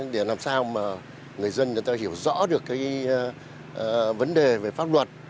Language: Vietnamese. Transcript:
để làm sao người dân hiểu rõ được vấn đề về pháp luật